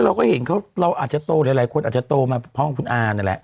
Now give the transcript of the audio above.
เราก็เห็นเขาเราอาจจะโตหลายคนอาจจะโตมาพ่อของคุณอานั่นแหละ